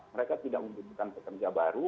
mereka tidak membutuhkan pekerja baru